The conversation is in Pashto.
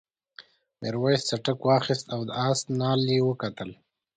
میرويس څټک واخیست او د آس نال یې وکتل.